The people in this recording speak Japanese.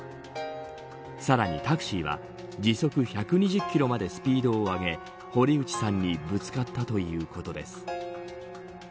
さらにタクシーは時速１２０キロまでスピードを上げ堀内さんにぶつかったということです。